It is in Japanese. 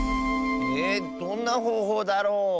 えどんなほうほうだろう？